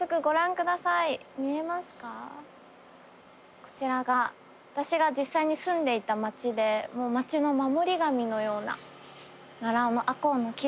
こちらが私が実際に住んでいた町で町の守り神のような奈良尾のアコウの木です。